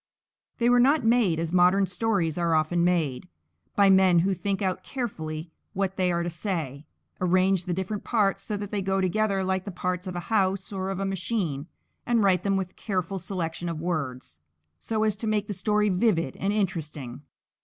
They were not made as modern stories are often made, by men who think out carefully what they are to say, arrange the different parts so that they go together like the parts of a house or of a machine, and write them with careful selection of words so as to make the story vivid and interesting.